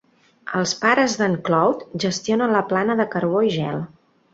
Els pares d"en Clough gestionen la plana de carbó i gel.